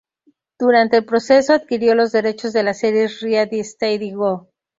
Durante el proceso, adquirió los derechos de las series Ready Steady Go!